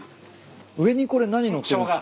上にこれ何載ってんですか？